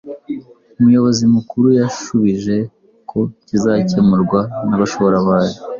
Umuyobzi Mukuru yashubije ko kizakemurwa n’abashoramari